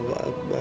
selamat ya bu